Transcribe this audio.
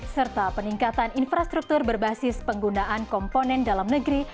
serta peningkatan infrastruktur berbasis penggunaan komponen dalam negeri